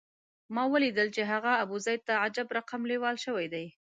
ما ولیدل چې هغه ابوزید ته عجب رقم لېوال شوی دی.